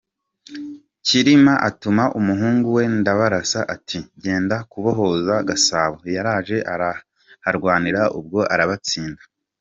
Cyilima atuma umuhungu we Ndabarasa ati ‘genda kubohoza Gasabo; yaraje araharwanira, ubwo arabatsinda.